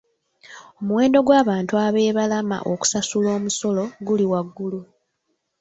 Omuwendo gw'abantu ab'ebalama okusasula omusolo guli waggulu.